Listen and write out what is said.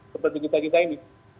seperti kita kita ini